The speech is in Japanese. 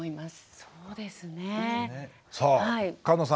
そうですね。